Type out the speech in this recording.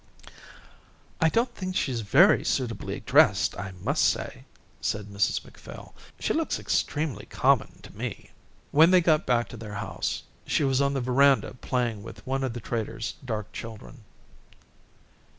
"I don't think she's very suitably dressed, I must say," said Mrs Macphail. "She looks extremely common to me." When they got back to their house, she was on the verandah playing with one of the trader's dark children.